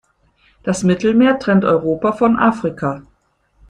Das Mittelmeer trennt Europa von Afrika.